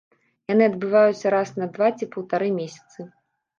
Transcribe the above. Яны адбываюцца раз на два ці паўтара месяцы.